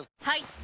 はい！